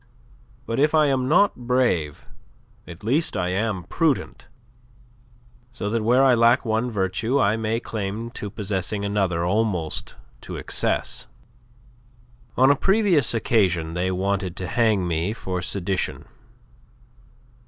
But if I am not brave, at least I am prudent; so that where I lack one virtue I may lay claim to possessing another almost to excess. On a previous occasion they wanted to hang me for sedition.